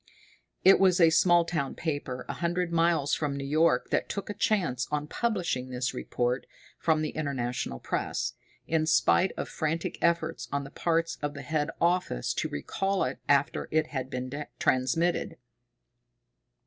It was a small town paper a hundred miles from New York that took a chance on publishing this report from the International Press, in spite of frantic efforts on the parts of the head office to recall it after it had been transmitted.